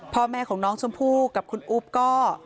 พ่อแม่ของน้องชมพู่กับคุณอุ๊บก็